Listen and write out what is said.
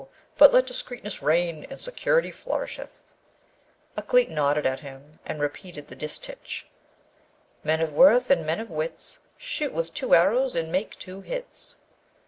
But let discreetness reign and security flourisheth!' Ukleet nodded at him, and repeated the distich: Men of worth and men of wits Shoot with two arrows, and make two hits.